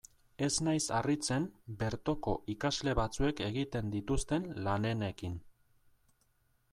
Ez naiz harritzen bertoko ikasle batzuek egiten dituzten lanenekin.